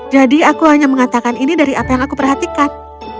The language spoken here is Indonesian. jadi aku hanya mengatakan ini dari apa yang aku perhatikan